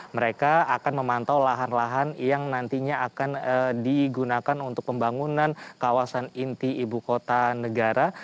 mereka akan memantau lahan lahan yang nantinya akan digunakan untuk pembangunan kawasan inti ibu kota negara